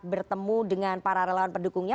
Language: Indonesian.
bertemu dengan para relawan pendukungnya